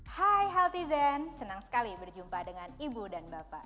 hai healthy zen senang sekali berjumpa dengan ibu dan bapak